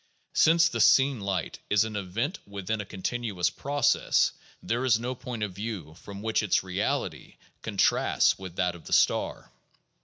Since the seen light is an event within a continuous process, there is no point of view from which its "reality" contrasts with that of the star.